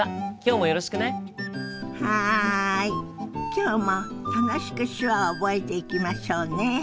今日も楽しく手話を覚えていきましょうね！